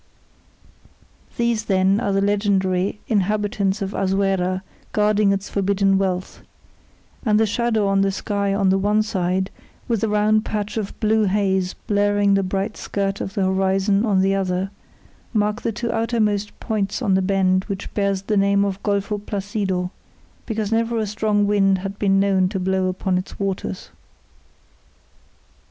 These, then, are the legendary inhabitants of Azuera guarding its forbidden wealth; and the shadow on the sky on one side with the round patch of blue haze blurring the bright skirt of the horizon on the other, mark the two outermost points of the bend which bears the name of Golfo Placido, because never a strong wind had been known to blow upon its waters.